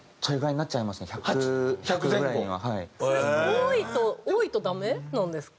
多いと多いとダメなんですか？